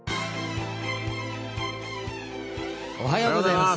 おはようございます。